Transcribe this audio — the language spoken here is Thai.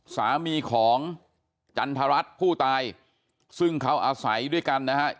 สามีของจันทรัศน์ผู้ตายซึ่งเขาอาศัยด้วยกันนะฮะ